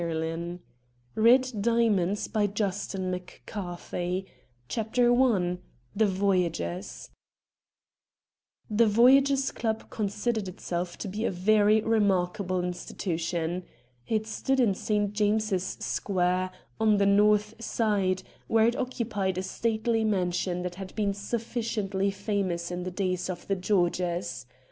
. 218 r ^ XII. A MASTER OF FEXCE 251 /^ RED DIAMONDS CHAPTER I THE VOYAGERS \ The Voyagers' Club considered itself to be a very remarkable institution. It stood in St. James's Square, on the north side, where it occupied a stately mansion that had been suf ficiently famous in the days of the Georges.